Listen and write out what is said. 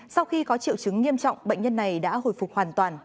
sau khi có triệu chứng nghiêm trọng bệnh nhân này đã hồi phục hoàn toàn